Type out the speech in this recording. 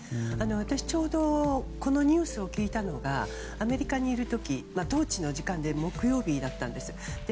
私、ちょうどこのニュースを聞いたのがアメリカにいる時当地の時間で木曜日だったんです。